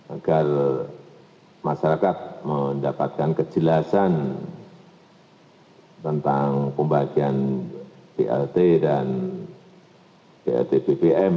agar masyarakat mendapatkan kejelasan tentang pembagian prt dan prt ppm